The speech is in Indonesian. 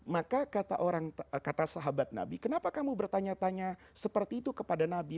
maka kata sahabat nabi kenapa kamu bertanya tanya seperti itu kepada nabi